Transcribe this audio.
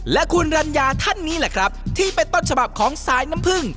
และคุณรัญญาท่านนี้แหละครับที่เป็นต้นฉบับของสายน้ำผึ้ง